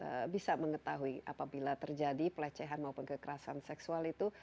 bagaimana bisa mengetahui apabila terjadi pelecehan maupun kekerasan seksual itu